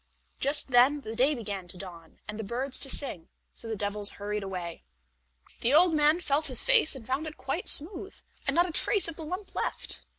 Just then the day began to dawn, and the birds to sing, so the devils hurried away. The old man felt his face and found it quite smooth, and not a trace of the lump left.